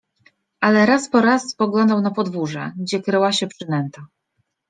Ale raz po raz spoglądał na podwórze, gdzie kryła się przynęta.